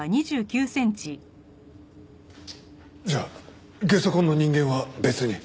じゃあゲソ痕の人間は別に？